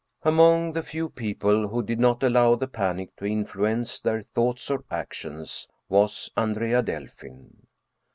Among the few people who did not allow the panic to influence their thoughts or actions was Andrea Delfin.